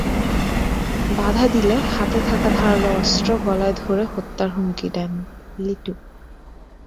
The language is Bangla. বাধা দিলে হাতে থাকা ধারালো অস্ত্র গলায় ধরে হত্যার হুমকি দেন লিটু।